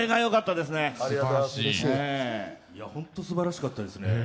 本当すばらしかったですね。